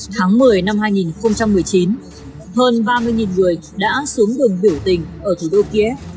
tháng một mươi năm hai nghìn một mươi chín hơn ba mươi người đã xuống đường biểu tình ở thủ đô kiev